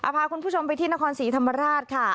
พาคุณผู้ชมไปที่นครศรีธรรมราชค่ะ